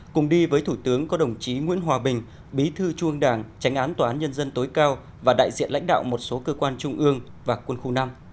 cùng đi với thủ tướng có đồng chí nguyễn hòa bình bí thư trung ương đảng tránh án tòa án nhân dân tối cao và đại diện lãnh đạo một số cơ quan trung ương và quân khu năm